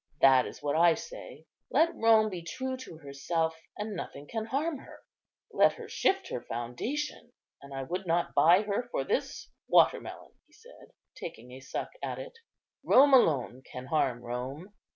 That is what I say, Let Rome be true to herself and nothing can harm her; let her shift her foundation, and I would not buy her for this water melon," he said, taking a suck at it. "Rome alone can harm Rome.